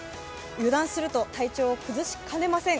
油断すると体調を崩しかねません。